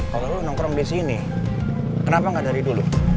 kalau dulu nongkrong di sini kenapa nggak dari dulu